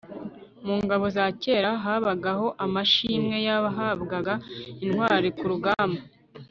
mu ngabo za kera habagaho amashimwe yahabwaga intwari ku rugamba